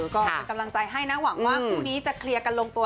ก็เป็นกำลังใจให้นะหวังว่าคู่นี้จะเคลียร์กันลงตัว